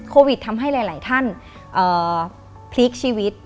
โควิดทำให้หลายท่านพลิกชีวิต